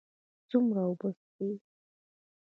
څومره اوبه څښئ؟